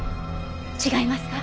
違いますか？